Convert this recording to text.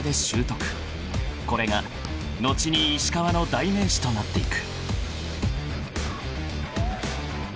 ［これが後に石川の代名詞となっていく］